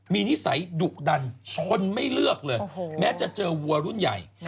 มีนิสัยดุดันชนไม่เลือกเลยแม้จะเจอวัวรุ่นใหญ่